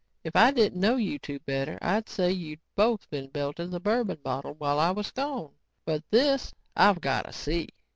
"If I didn't know you two better, I'd say you both been belting the bourbon bottle while I was gone. But this I've got to see."